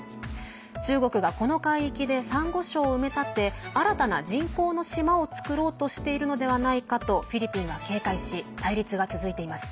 中国が、この海域でさんご礁を埋め立て新たな人工の島を造ろうとしているのではないかとフィリピンは警戒し対立が続いています。